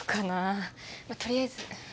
まぁ取りあえず。